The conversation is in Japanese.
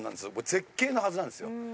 絶景のはずなんですよ。